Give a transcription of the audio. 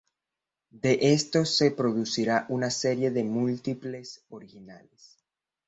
De estos se producirá una serie de múltiples originales.